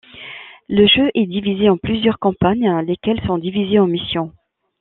Le jeu est divisé en plusieurs campagnes, lesquelles sont divisées en missions.